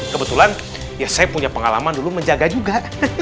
kebetulan ya saya punya pengalaman dulu menjaga juga